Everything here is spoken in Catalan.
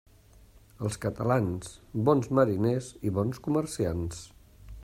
Els catalans, bons mariners i bons comerciants.